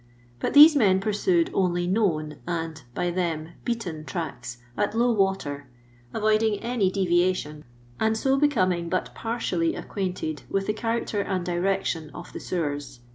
But these men pursued only known and (by them) beaten tracks at low water, avoiding any deviation, and ■0 becoming but partially acquainted with the character and direction of the sewers.